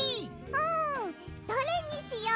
うんどれにしよう？